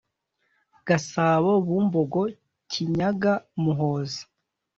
gasabo bumbogo kinyaga muhozi